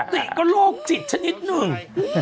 ติก็โรคจิตชนิดหนึ่ง